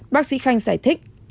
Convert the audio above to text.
bác sĩ khanh giải thích